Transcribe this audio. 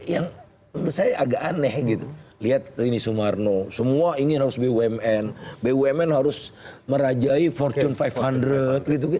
yang saya agak aneh gitu lihat ini sumarno semua ingin harus bumn bumn harus merajai fortune lima underung